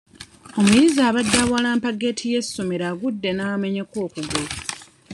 Omuyizi abadde awalampa geeti y'essomero agudde n'amenyeka okugulu.